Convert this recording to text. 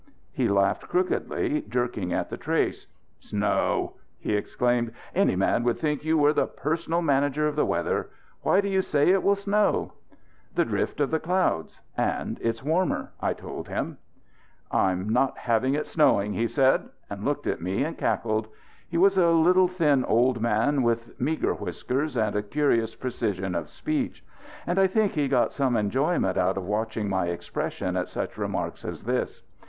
He laughed crookedly, jerking at the trace. "Snow!" he exclaimed. "A man would think you were the personal manager of the weather. Why do you say it will snow?" "The drift of the clouds and it's warmer," I told him. "I'll not have it snowing," he said, and looked at me and cackled. He was a little, thin, old man with meager whiskers and a curious precision of speech; and I think he got some enjoyment out of watching my expression at such remarks as this.